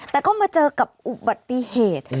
แต่ก็มาเจอกับอุบัติเหตุ